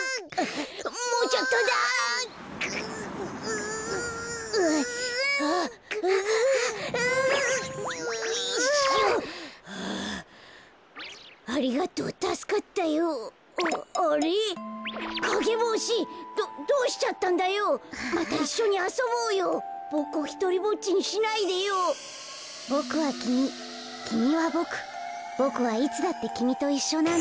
ボクはいつだってきみといっしょなんだよ。